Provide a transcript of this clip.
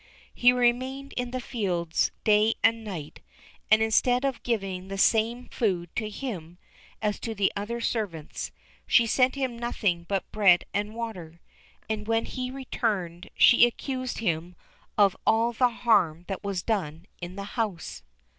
He remained in the fields night and day; and instead of giving the same food to him as to the other servants, she sent him nothing but bread and water, and when he returned she accused him of all the harm that was done in the house.